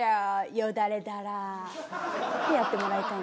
よだれダラ。ってやってもらいたいんです。